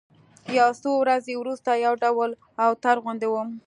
يو څو ورځې وروسته يو ډول اوتر غوندې وم.